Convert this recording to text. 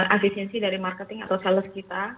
efisiensi dari marketing atau sales kita